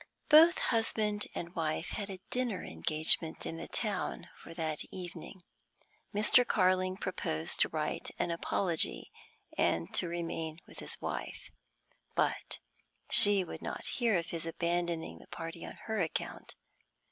Both husband and wife had a dinner engagement in the town for that evening. Mr. Carling proposed to write an apology and to remain with his wife. But she would not hear of his abandoning the party on her account.